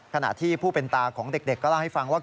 ขณะที่ผู้เป็นตาของเด็กก็เล่าให้ฟังว่า